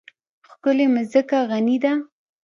ښکلې مځکه غني ده.